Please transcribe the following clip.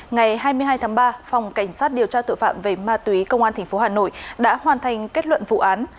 ngày hai mươi hai tháng ba phòng cảnh sát điều tra tội phạm về ma túy công an tp hà nội đã hoàn thành kết luận vụ án